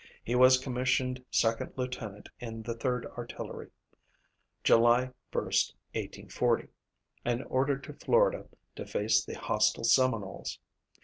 He was commissioned second lieutenant in the Third Artillery, July 1, 1840, and ordered to Florida to face the hostile Seminoles.